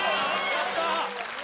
やった！